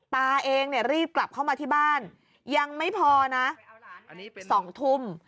ตาเองเนี่ยรีบกลับเข้ามาที่บ้านยังไม่พอน่ะอันนี้เป็นสองทุ่ม